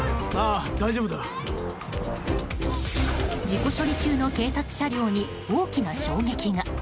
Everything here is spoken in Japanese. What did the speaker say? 事故処理中の警察車両に大きな衝撃が！